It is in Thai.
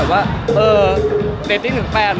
เรตติ่งถึง๘แล้วขอเสื้อ